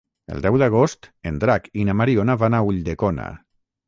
El deu d'agost en Drac i na Mariona van a Ulldecona.